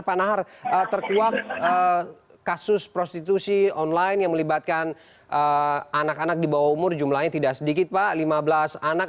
pak nahar terkuak kasus prostitusi online yang melibatkan anak anak di bawah umur jumlahnya tidak sedikit pak lima belas anak